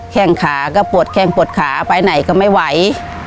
แค่งขาก็ปวดแข้งปวดขาไปไหนก็ไม่ไหว